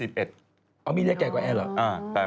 เข้ากับมีเรียใช่ไหม